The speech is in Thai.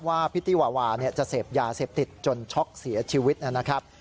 พริตตี้วาวาจะเสพยาเสพติดจนช็อกเสียชีวิตนะครับ